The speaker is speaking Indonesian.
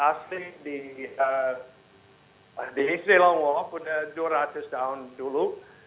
asli di long walk sudah dua ratus tahun dulu